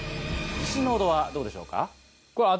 自信の程はどうでしょうか？